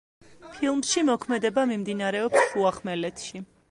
ფილმში მოქმედება მიმდინარეობს შუახმელეთში.